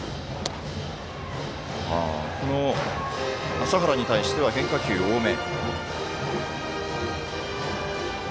麻原に対しては、変化球多め。